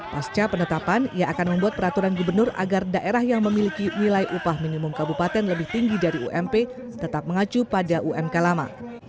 pasca penetapan ia akan membuat peraturan gubernur agar daerah yang memiliki nilai upah minimum kabupaten lebih tinggi dari ump tetap mengacu pada umk lama